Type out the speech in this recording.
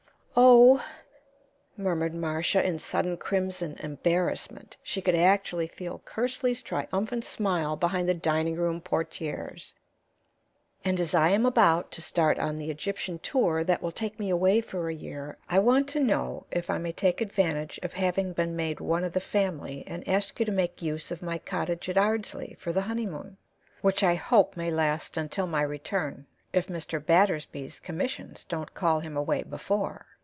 "Oh!" murmured Marcia, in sudden crimson embarrassment. She could actually feel Kersley's triumphant smile behind the dining room portières. "And as I am about to start on the Egyptian tour that will take me away for a year, I want to know if I may take advantage of having been made one of the family and ask you to make use of my cottage at Ardsley for the honeymoon which I hope may last until my return, if Mr. Battersby's commissions don't call him away before.